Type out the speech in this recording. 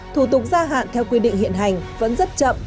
thủ tục gia hạn theo quy định hiện hành vẫn rất chậm